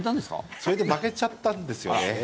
それで負けちゃったんですよね。